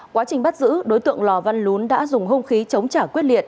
quá trình bắt giữ đối tượng lò văn lún đã dùng hung khí chống trả quyết liệt